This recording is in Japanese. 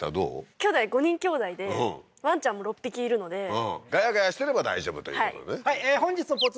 きょうだい５人きょうだいでうんワンちゃんも６匹いるのでうんガヤガヤしてれば大丈夫ということでねはい本日のポツ